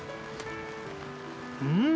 うん！